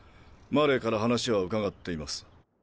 マレーから話は伺っています。